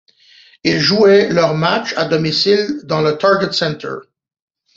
Ils jouaient leurs matchs à domicile dans le Target Center.